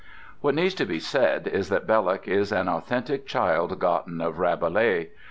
What needs to be said is that Belloc is an authentic child gotten of Rabelais.